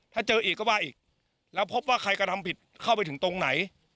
ถ้าเจออีกก็ว่าอีกแล้วพบว่าใครกระทำผิดเข้าไปถึงตรงไหน